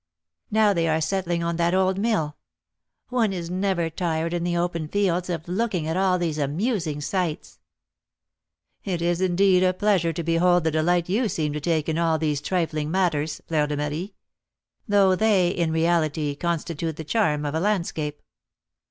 Now they are settling on that old mill. One is never tired in the open fields of looking at all these amusing sights." "It, is, indeed, a pleasure to behold the delight you seem to take in all these trifling matters, Fleur de Marie; though they, in reality, constitute the charm of a landscape."